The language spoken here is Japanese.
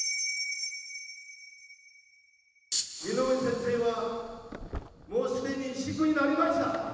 井上先生は、もうすでにシックになりました。